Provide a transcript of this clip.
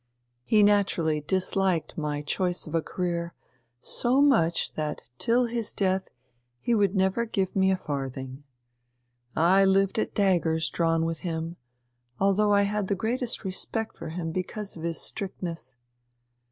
He naturally disliked my choice of a career so much that till his death he would never give me a farthing. I lived at daggers drawn with him, although I had the greatest respect for him because of his strictness."